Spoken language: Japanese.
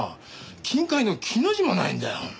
金塊の「き」の字もないんだよ。